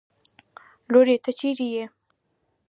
لورې! ته چېرې يې؟